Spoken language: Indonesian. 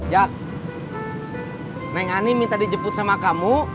jak neng ani minta dijemput sama kamu